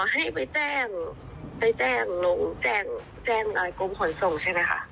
อ๋อให้ไปแจ้งน้องแจ้งกรมผลส่งใช่ไหมคะ